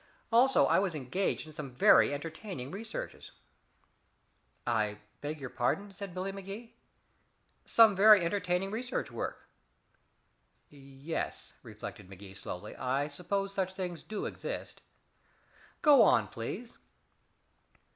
Also, I was engaged in some very entertaining researches." "I beg your pardon?" said Billy Magee. "Some very entertaining research work." "Yes," reflected Magee slowly, "I suppose such things do exist. Go on, please."